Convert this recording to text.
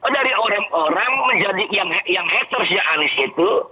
dari orang orang menjadi yang haters ya anies itu